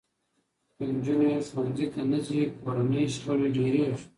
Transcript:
که نجونې ښوونځي ته نه ځي، کورني شخړې ډېرېږي.